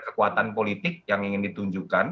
kekuatan politik yang ingin ditunjukkan